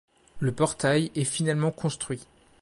Le portail est finalement construit.